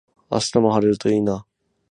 明日も晴れるといいな